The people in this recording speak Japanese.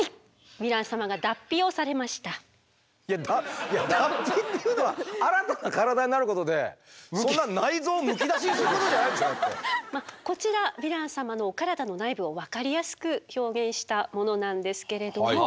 ヴィラン様がいや脱皮っていうのは新たな体になることでそんなこちらヴィラン様のお体の内部を分かりやすく表現したものなんですけれども。